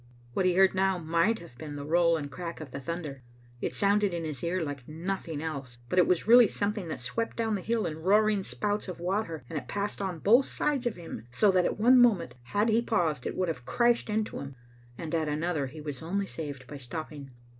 What he heard now might have been the roll and crack of the thunder. It sounded in his ear like noth ing else. But it was really something that swept down the hill in roaring spouts of water, and it passed on both sides of him so that at one moment, had he paused, it would have crashed into him, and at another he was only saved by stopping.